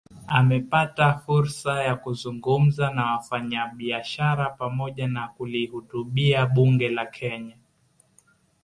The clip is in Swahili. Amepata fursa ya kuzungumza na wafanyabiashara pamoja na kulihutubia Bunge la Kenya